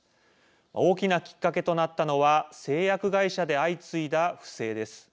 大きなきっかけとなったのは製薬会社で相次いだ不正です。